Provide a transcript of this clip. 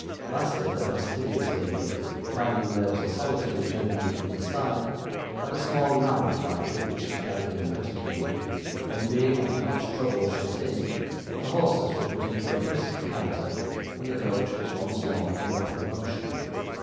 Lastly, the fastidious lady, finding there was a solitary gentleman inside, had a small lamp lighted which she carried in reticule, and being after much trouble shut in, the horses were put into a brisk canter and the coach was once more in rapid motion.